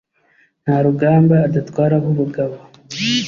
Nta rugamba adatwaraho ubugabo,